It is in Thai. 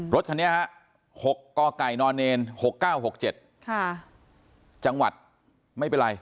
รถคันนี้ฮะ๖กกน๖๙๖๗จังหวัดไม่เป็นไร